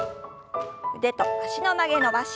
腕と脚の曲げ伸ばし。